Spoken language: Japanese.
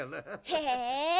へえ。